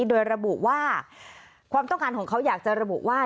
โดยระบุว่าความต้องการของเขาอยากจะระบุว่า